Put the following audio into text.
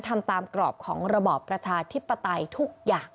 ทำตามกรอบของระบอบประชาธิปไตยทุกอย่าง